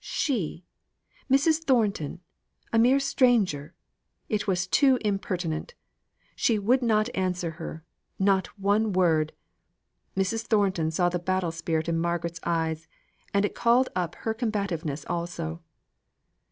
she Mrs. Thornton, a mere stranger it was too impertinent! She would not answer her not one word. Mrs. Thornton saw the battle spirit in Margaret's eyes, and it called up her combativeness also.